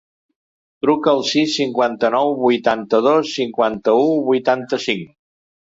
Truca al sis, cinquanta-nou, vuitanta-dos, cinquanta-u, vuitanta-cinc.